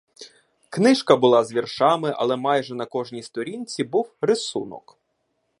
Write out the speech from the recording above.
Книжка була з віршами, але майже на кожній сторінці був рисунок.